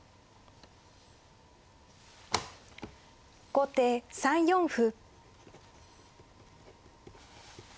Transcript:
後手３四歩。